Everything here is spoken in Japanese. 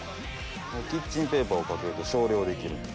キッチンペーパーをかけると少量でいけるんで。